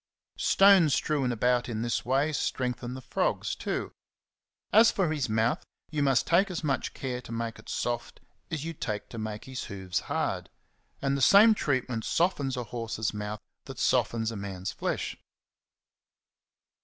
Stones strewn about in this way strengthen the frogs too. As for his mouth, you must take as much care to make it soft as you take to make his hoofs hard ; and the same treatment softens a horse's mouth that softens a man's flesh.